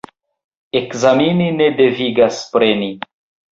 Ekzameni ne devigas preni.